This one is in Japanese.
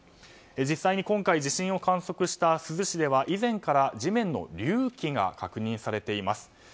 実際に今回地震を観測した珠洲市では以前から地面の隆起が確認されています。